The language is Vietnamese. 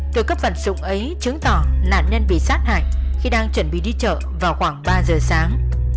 từ cấp phần sụng ấy chứng tỏ nạn nhân bị sát hại khi đang chuẩn bị đi chợ vào khoảng ba giờ sáng